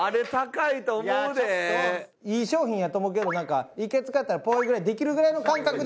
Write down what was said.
いい商品やと思うけどなんか１回使ったらポイぐらいできるぐらいの感覚で。